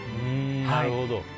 なるほど。